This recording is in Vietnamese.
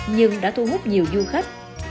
nhưng đã thu hút nhiều du khách